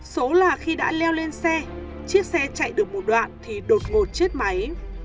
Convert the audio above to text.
số là khi đã leo lên xe chiếc xe chạy được một đoạn thì đột ngột chết máy